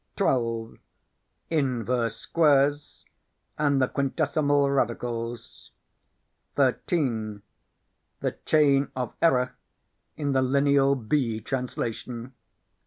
12. Inverse Squares and the Quintesimal Radicals. 13. The Chain of Error in the Lineal B Translation.